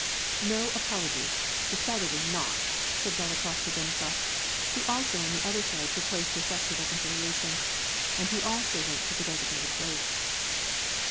" No apologies, decidedly not," said Dolokhof to Denisof, who also on the other side proposed to effect a reconciliatioD, and he also went to the designated place.